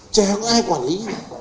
chả có ai quản lý